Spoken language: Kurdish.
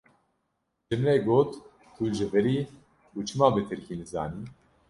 Ji min re got tu ji vir î û çima bi tirkî nizanî.